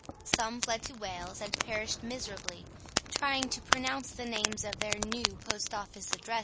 Some fled to Wales and perished miserably trying to pronounce the names of their new post office addresses.